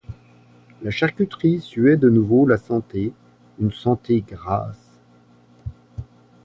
La charcuterie suait de nouveau la santé, une santé grasse.